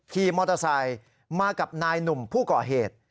ขี่มอเตอร์ไซค์มากับนายหนุ่มผู้ก่อเหตุ